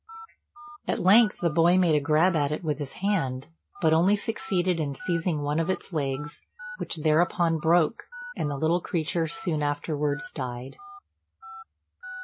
At length the boy made a grab at it with his hand, but only succeeded in seizing one of its legs, which thereupon broke, and the little creature soon afterwards died.